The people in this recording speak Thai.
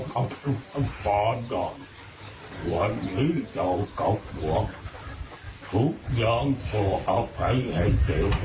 ด้วยความขอบริกาคุณสุประโชค